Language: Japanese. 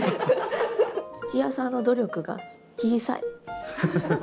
土屋さんの努力が小さい。